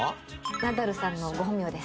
ナダルさんのご本名です。